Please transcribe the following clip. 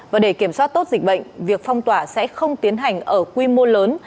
và để kiểm soát tốt dịch bệnh việc phong tỏa sẽ không tiến hành ở quy mô lớn